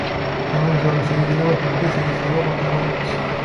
თანამგზავრი შეიძლება დიდი და შეიძლება პატარა იყოს.